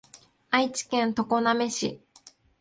愛知県常滑市